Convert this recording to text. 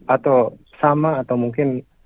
atau sama atau mungkin